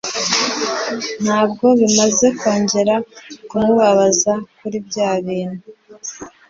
Ntabwo bimaze kongera kumubaza kuri by'abintu .